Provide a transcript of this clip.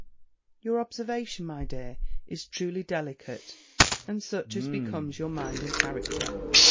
"Your observation, my dear, is truly delicate, and such as becomes your mind and character.